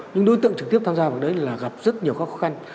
những đối tượng trực tiếp tham gia vào đấy là gặp rất nhiều các khó khăn